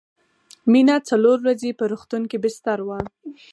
مينه څلور ورځې په روغتون کې بستر وه